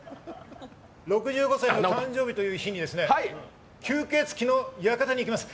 ６５歳の誕生日という日に吸血鬼の館に行きます。